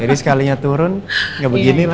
jadi sekalinya turun nggak begini ma